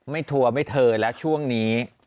ไม่ทั่วไม่เถิดแล้วช่วงนี้